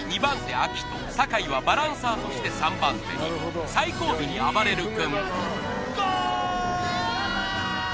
アキト酒井はバランサーとして３番手に最後尾にあばれる君